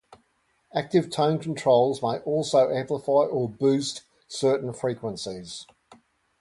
Active tone controls may also amplify or "boost" certain frequencies.